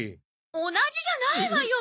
同じじゃないわよ！